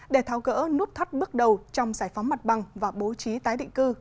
để tháo gỡ nút thắt bước đầu trong giải phóng mặt bằng và bố trí tái định cư